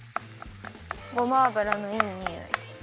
ごま油のいいにおい。